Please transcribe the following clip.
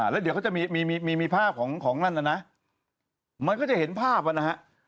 แล้วเดี๋ยวเขาจะมีภาพของนั่นน่ะนะมันก็จะเห็นภาพนะฮะ